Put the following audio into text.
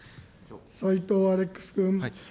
斎藤アレックス君。